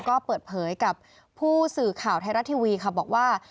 ก็เปิดเผยกับผู้สื่อข่าวไทยรัฐทีวีค่ะบอกว่า